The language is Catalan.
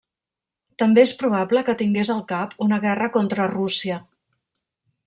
També és probable que tingués al cap una guerra contra Rússia.